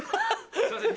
すいません